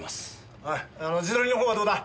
おい地取りのほうはどうだ？